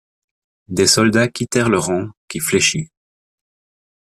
Des soldats quittèrent le rang, qui fléchit.